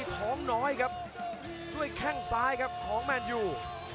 หลงน้อยครับด้วยแค่งซ้ายครับของแมม่นอยู่